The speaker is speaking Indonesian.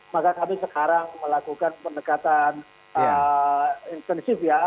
maka kami sekarang melakukan pendekatan intensif ya